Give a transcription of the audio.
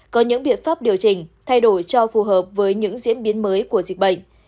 có những biện pháp điều chỉnh thay đổi cho phù hợp với những diễn biến mới của dịch bệnh